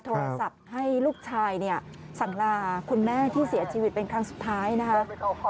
โทรศัพท์ให้ลูกชายเนี่ยสั่งลาคุณแม่ที่เสียชีวิตเป็นครั้งสุดท้ายนะคะ